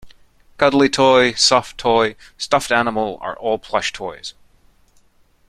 Cuddly toy, soft toy, stuffed animal are all plush toys